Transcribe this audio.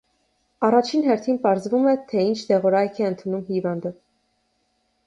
Առաջին հերթին պարզվում է, թե ինչ դեղորայք է ընդունում հիվանդը։